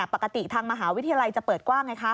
ปกติทางมหาวิทยาลัยจะเปิดกว้างไงคะ